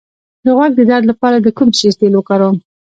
د غوږ د درد لپاره د کوم شي تېل وکاروم؟